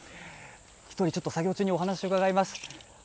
一人、ちょっと作業中にお話を伺います。